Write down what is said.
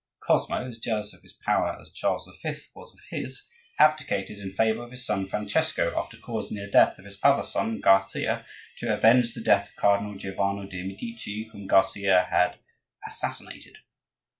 Cosmo, as jealous of his power as Charles V. was of his, abdicated in favor of his son Francesco, after causing the death of his other son, Garcia, to avenge the death of Cardinal Giovanni de' Medici, whom Garcia had assassinated.